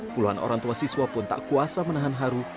puluhan orang tua siswa pun tak kuasa menahan haru